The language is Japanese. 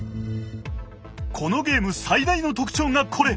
このゲーム最大の特徴がこれ。